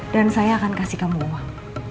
saya akan kasih kamu uang